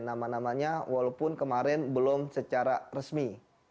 nama namanya walaupun kemarin belum secara resmi